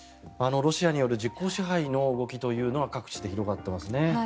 ロシアによる実効支配の動きというのは各地で広がっていますね。